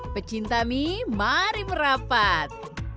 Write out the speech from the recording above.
percinta mie mari berapat